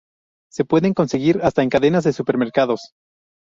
Se pueden conseguir hasta en cadenas de supermercados.